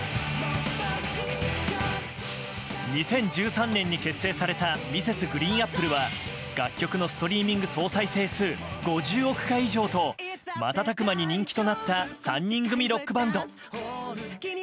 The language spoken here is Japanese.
２０１３年に結成されたＭｒｓ．ＧＲＥＥＮＡＰＰＬＥは楽曲のストリーミング総再生数５０億回以上と瞬く間に人気となった３人組ロックバンド。